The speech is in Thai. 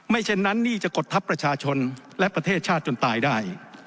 เช่นนั้นหนี้จะกดทับประชาชนและประเทศชาติจนตายได้